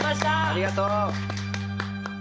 ありがとう！